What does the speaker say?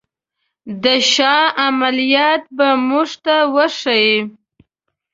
د شاه عملیات به موږ ته وښيي.